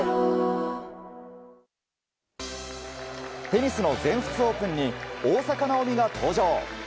テニスの全仏オープンに大坂なおみが登場。